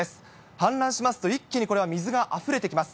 氾濫しますと一気に、これは水があふれてきます。